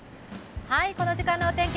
この時間のお天気